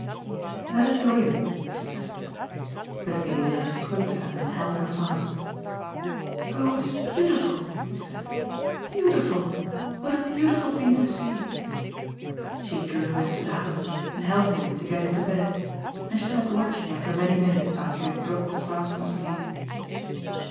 " Let us go in," she said. But Elias clung to her, and held her fast. « Oh, it is beautiful I " he said—" beautiful ! What a beautiful thing to see !'' She drew him into the house, and helped him to get into bed ; and she sat watching him for many minutes after he had dropped fast asleep.